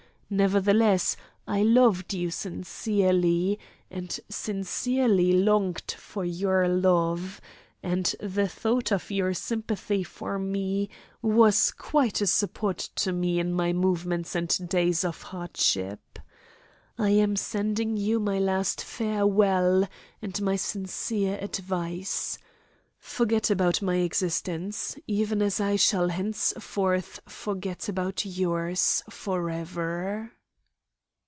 Nevertheless I loved you sincerely, and sincerely longed for your love; and the thought of your sympathy for me was quite a support to me in my moments and days of hardship. I am sending you my last farewell and my sincere advice. Forget about my existence, even as I shall henceforth forget about yours forever.